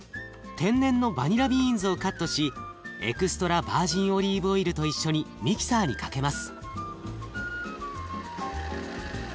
天然のバニラビーンズをカットしエクストラバージンオリーブオイルと一緒にミキサーにかけます。